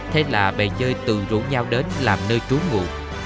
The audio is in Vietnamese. thế là bè dơi tự rủ nhau đến làm nơi trú ngủ